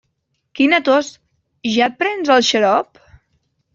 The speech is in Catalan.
Quina tos, ja et prens el xarop?